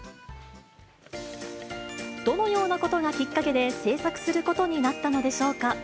どのようなことがきっかけで制作することになったのでしょうか。